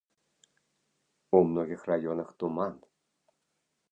У многіх раёнах туман.